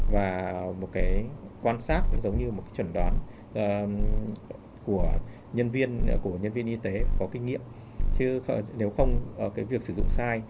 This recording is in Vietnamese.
và một cái quan sát giống như một cái chuẩn đoán của nhân viên của nhân viên y tế có kinh nghiệm chứ nếu không cái việc sử dụng sai